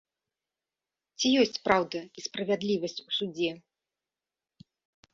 Ці ёсць праўда і справядлівасць у судзе?